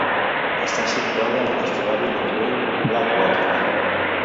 Està situada en l'estuari del Riu Blackwater.